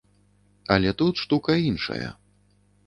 Але тут штука іншая.